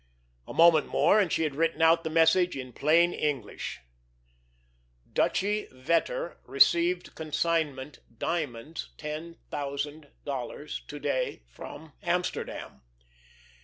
A moment more, and she had written out the message in plain English: Dutchy Vetter received consignment diamonds ten thousand dollars to day from Amsterdam.